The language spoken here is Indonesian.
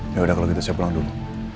yaudah kalau gitu saya pulang dulu